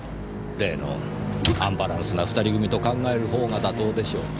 例のアンバランスな２人組と考える方が妥当でしょう。